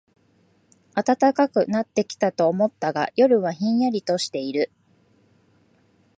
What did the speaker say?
暖かくなってきたと思ったが、夜はひんやりとしている